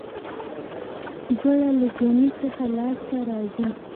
ګوړه له ګني څخه لاسته راځي